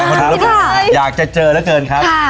ครับทุกคนอยากจะเจอแล้วเกินครับ